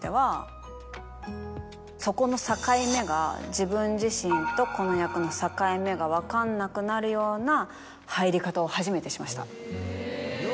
そこの境目が自分自身とこの役の境目が分かんなくなるような入り方を初めてしました。